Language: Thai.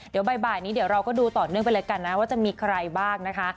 เดี๋ยวบ่ายนี้เราก็ดูต่อเนื่องไปว่าจะมีใครบ้างนะคะ